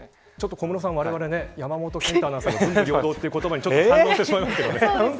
小室さん、われわれ山本賢太アナウンサーの文武両道という言葉に反応してしまいましたね。